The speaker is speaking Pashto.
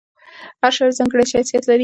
هر شاعر ځانګړی شخصیت لري.